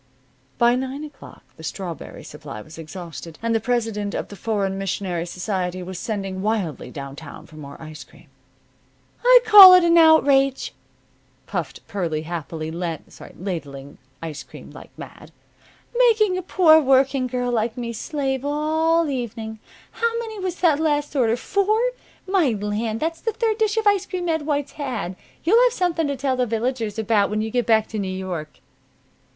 By nine o'clock the strawberry supply was exhausted, and the president of the Foreign Missionary Society was sending wildly down town for more ice cream. "I call it an outrage," puffed Pearlie happily, ladling ice cream like mad. "Making a poor working girl like me slave all evening! How many was that last order? Four? My land! that's the third dish of ice cream Ed White's had! You'll have something to tell the villagers about when you get back to New York."